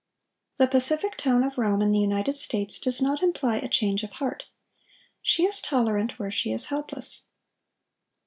"The pacific tone of Rome in the United States does not imply a change of heart. She is tolerant where she is helpless.